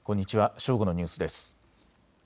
正午のニュースです。